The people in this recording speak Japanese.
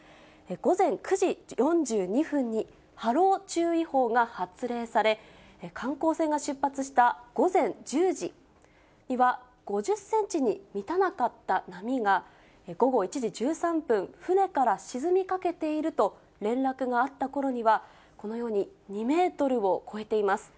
午前９時４２分に波浪注意報が発令され、観光船が出発した午前１０時には、５０センチに満たなかった波が、午後１時１３分、船から沈みかけていると連絡があったころには、このように、２メートルを超えています。